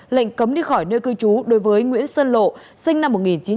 lệnh cấm đi khỏi nơi cư trú đối với nguyễn sơn lộ sinh năm một nghìn chín trăm bốn mươi tám